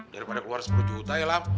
daripada keluar sepuluh juta ya lam